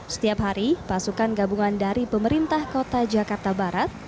setiap hari pasukan gabungan dari pemerintah kota jakarta barat